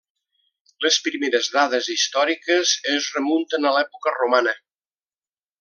Les primeres dades històriques es remunten a l'època romana.